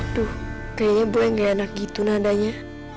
aduh kayaknya boy gak enak gitu nadanya